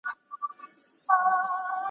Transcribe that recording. پل یې هېر دی له دښتونو یکه زار له جګو غرونو .